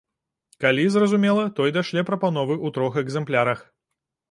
Калі, зразумела, той дашле прапановы ў трох экзэмплярах.